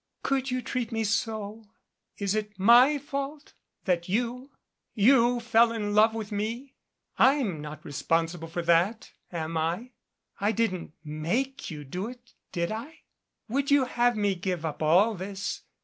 "Could you treat me so? Is it my fault that you you fell in love with me? I'm not responsible for that am I? I didn't make you do it, did I? Would you have me give up all this